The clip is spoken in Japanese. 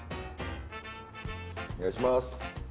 お願いします。